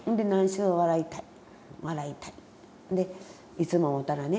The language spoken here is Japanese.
いつも会うたらね